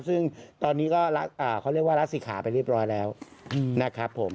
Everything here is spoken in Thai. ซึ่งตอนนี้ก็เขาเรียกว่ารัสสิขาไปเรียบร้อยแล้วนะครับผม